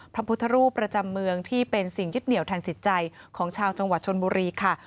พระพุทธรูปประจำเมืองที่เป็นสิ่งยึดเหนียวทางจิตใจของชาวจังหวัดชนบุรีค่ะ